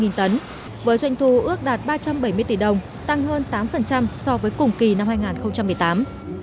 với doanh thu ước đạt ba trăm bảy mươi tỷ đồng tăng hơn tám so với cùng kỳ năm hai nghìn một mươi tám